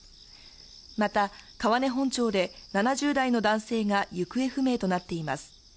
また川根本町で、７０代の男性が行方不明となっています。